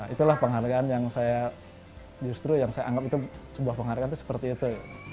itulah penghargaan yang saya justru yang saya anggap itu sebuah penghargaan itu seperti itu